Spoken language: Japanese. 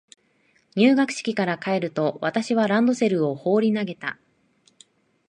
入学式から帰ると、私はランドセルを放り投げた。